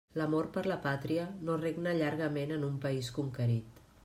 L'amor per la pàtria no regna llargament en un país conquerit.